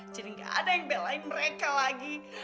jadi nggak ada yang belain mereka lagi